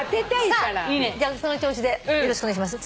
さあじゃあその調子でよろしくお願いします。